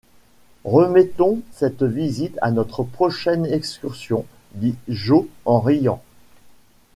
Remettons cette visite à notre prochaine excursion, dit Joe en riant.